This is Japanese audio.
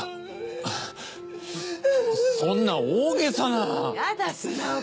そんな大げさな。